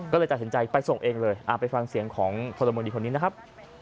ก็เลยตัดสินใจไปส่งเองเลยไปฟังเสียงของพลเมืองดีคนนี้นะครับ